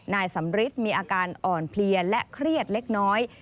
นายสำริทมีอาการอ่อนเพลียและเครียดเล็กน้อย